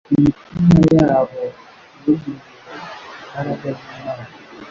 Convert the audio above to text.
imitima yabo yugururiwe imbaraga y'Imana,